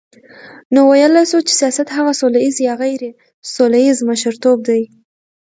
نو ویلای سو چی سیاست هغه سوله ییز یا غیري سوله ییز مشرتوب دی،